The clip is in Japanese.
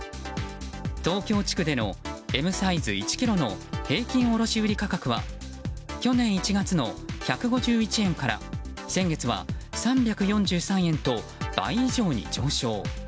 東京地区でのＭサイズ１ｋｇの平均卸売価格は去年１月の１５１円から先月は３４３円と倍以上に上昇。